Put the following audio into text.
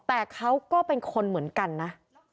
แต่เขาก็เป็นคนเหมือนกันนะ